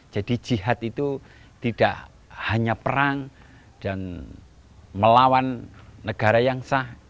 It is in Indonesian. jadi jihad itu tidak hanya perang dan melawan negara yang sah